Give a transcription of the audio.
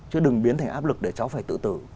chứ đừng biến thành áp lực để cháu phải tự tử